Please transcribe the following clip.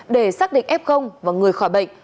để xác định f và người khỏi bệnh